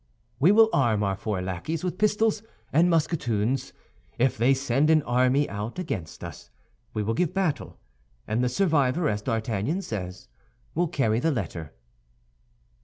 We will arm our four lackeys with pistols and musketoons; if they send an army out against us, we will give battle, and the survivor, as D'Artagnan says, will carry the letter."